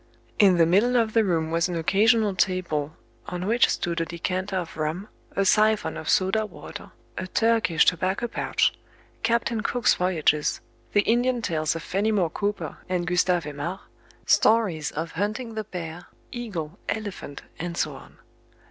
In the middle of the room was an occasional table, on which stood a decanter of rum, a siphon of soda water, a Turkish tobacco pouch, "Captain Cook's Voyages," the Indian tales of Fenimore Cooper and Gustave Aimard, stories of hunting the bear, eagle, elephant, and so on.